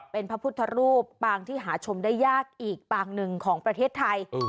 เป็นพระพุทธรูปปางที่หาชมได้ยากอีกปางหนึ่งของประเทศไทย